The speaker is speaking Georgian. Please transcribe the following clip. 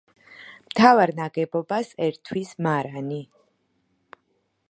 მთავარ ნაგებობას ერთვის მარანი.